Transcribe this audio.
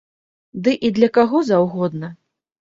Ды і для каго заўгодна!